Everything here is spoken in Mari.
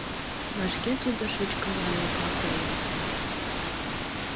Вашке тудо шучко янлыкла койо.